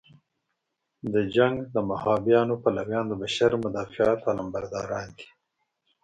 د جنګ د مهابیانیو پلویان د بشر مدافعت علمبرداران دي.